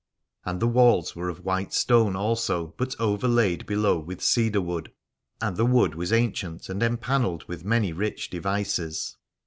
And the walls were of white stone also, but overlaid below with cedar wood : and the wood was ancient and empanelled with many rich devices.